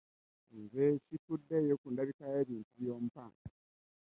Nze sifudeeyo kundabika y'ebintu by'ompa.